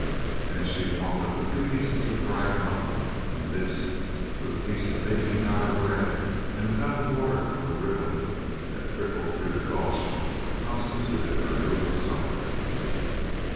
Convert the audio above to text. Then she warmed up a few pieces of fried mutton and this, with a piece of baking powder bread and a cup of water from the rivulet that trickled through the gulch, constituted her frugal supper.